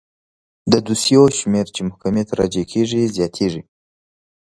د دوسیو شمیر چې محکمې ته راجع کیږي زیاتیږي.